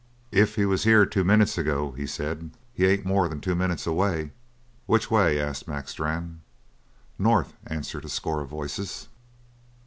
"If he was here two minutes ago," he said, "he ain't more than two minutes away." "Which way?" asked Mac Strann. "North," answered a score of voices.